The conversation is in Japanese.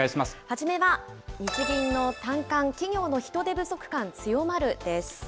初めは日銀の短観、企業の人手不足感強まるです。